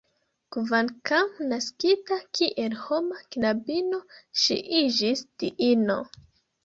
Kvankam naskita kiel homa knabino, ŝi iĝis diino.